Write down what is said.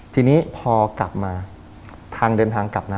ทีนี้พอกลับมาทางเดินทางกลับนะ